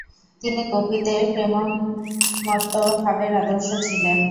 তিনি গোপীদের প্রেমোন্মত্ত ভাবের আদর্শ ছিলেন।